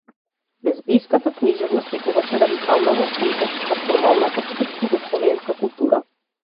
Лезбејската книжевност секогаш е радикална во контекст на формалната постјугословенска култура.